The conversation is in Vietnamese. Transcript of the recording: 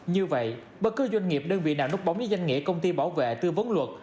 như vậy bất cứ doanh nghiệp đơn vị nào núp bóng đến danh nghĩa công ty bảo vệ tư vấn luật